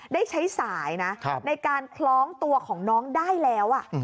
ได้ใช้สายนะในการคล้องตัวของน้องได้แล้ว